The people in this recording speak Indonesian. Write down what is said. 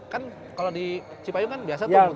kan kalo di cipayu kan biasa tuh muter